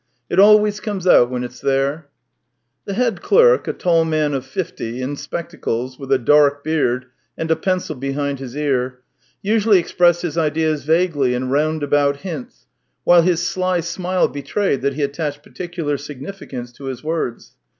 " It always comes out when it's there." The head clerk — a tall man of fifty, in spectacles, with a dark beard, and a pencil behind his ear — usually expressed his ideas vaguely in roundabout hints, while his sly smile betrayed that he attached 220 THE TALES OF TCHEHOV particular significance to his words.